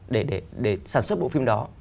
để sản xuất bộ phim đó